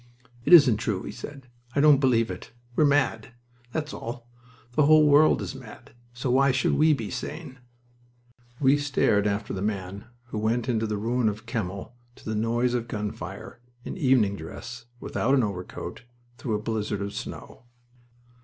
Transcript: "It isn't true," he said. "I don't believe it... We're mad, that's all!... The whole world is mad, so why should we be sane?" We stared after the man who went into the ruin of Kemmel, to the noise of gun fire, in evening dress, without an overcoat, through a blizzard of snow.